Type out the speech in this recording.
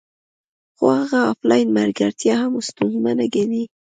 خو هغه افلاین ملګرتیا هم ستونزمنه ګڼي